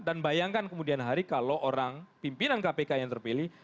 dan bayangkan kemudian hari kalau pimpinan kpk yang terpilih